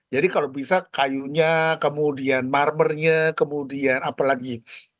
jadi kalau bisa kayunya kemudian marmernya kemudian apa lagi